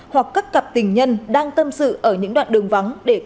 hoặc các cặp tình nhân đang tâm sự ở nhà